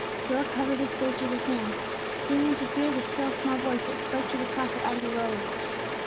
Joel covered his face with his hands, seeming to hear the still small voice that spoke to the prophet out of the whirlwind.